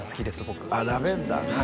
僕ラベンダーね